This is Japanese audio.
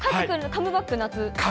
カムバック夏。